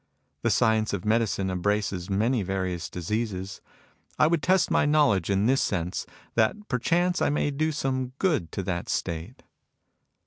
The science of medicine embraces many various diseases. I would test my knowledge in this sense, that perchance I may do some good to that State."